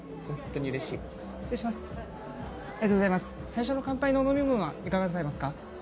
最初の乾杯のお飲み物はいかがなさいますか？